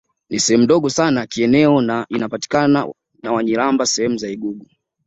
Ni sehemu ndogo sana kieneo na inapakana na Wanyiramba sehemu za lgugu